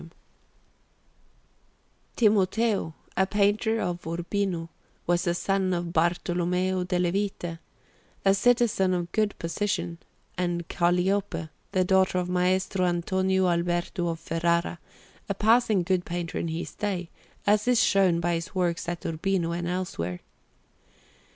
Milan: Brera, 508_) Brogi] Timoteo, a painter of Urbino, was the son of Bartolommeo della Vite, a citizen of good position, and Calliope, the daughter of Maestro Antonio Alberto of Ferrara, a passing good painter in his day, as is shown by his works at Urbino and elsewhere.